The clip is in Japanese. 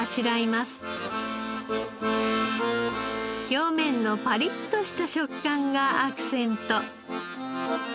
表面のパリッとした食感がアクセント。